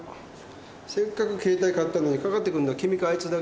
せっかく携帯買ったのにかかってくるのは君かアイツだけだよ。